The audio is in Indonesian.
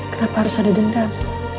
kenapa harus ada dendam